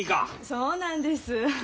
そうなんです。